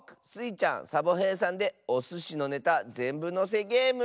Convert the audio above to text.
ちゃんサボへいさんでおすしのネタぜんぶのせゲーム。